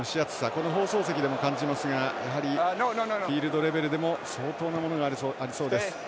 この放送席でも感じますがやはり、フィールドレベルでも相当なものがありそうです。